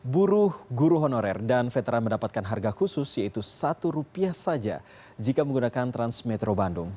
buruh guru honorer dan veteran mendapatkan harga khusus yaitu satu rupiah saja jika menggunakan transmetro bandung